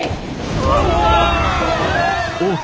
うわ！